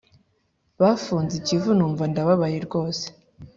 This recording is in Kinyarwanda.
Bafunze ikivu numva ndababaye rwose